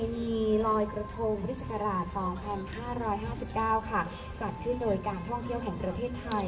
น้อยกระทงฤษกราชสองพันห้าร้อยห้าสิบเก้าค่ะจัดขึ้นโดยการท่องเที่ยวของประเทศไทย